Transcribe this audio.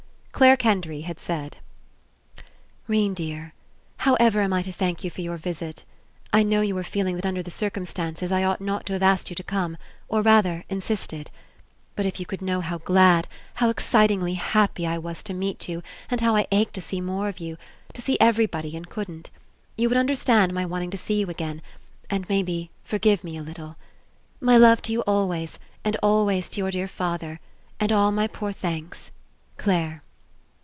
Clare Kendry had said: 'Rene dear: However am I to thank you for your visit? I know you are feeling that under the circumstances I ought not to have asked you to come, or, rather, in sisted. But if you could know how glad, how excit ingly happy, I was to meet you and how I ached to see more of you (to see everybody and couldn't), you would understand my wanting to see you again, and maybe forgive me a little. My love to you always and always and to your dear father, and all my poor thanks. Clare.